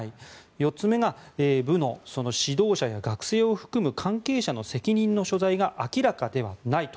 ４つめが部の指導者や学生を含む関係者の責任の所在が明らかではないと。